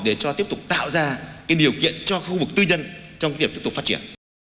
để cho tiếp tục tạo ra cái điều kiện cho khu vực tư nhân trong việc tiếp tục phát triển